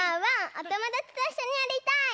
おともだちといっしょにやりたい！